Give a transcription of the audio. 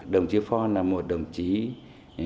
đồng chí phong là một đồng chí cán bộ quốc gia